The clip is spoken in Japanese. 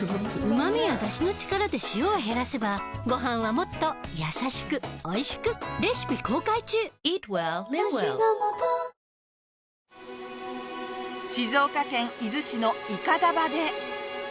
うま味やだしの力で塩を減らせばごはんはもっとやさしくおいしく静岡県伊豆市の筏場で。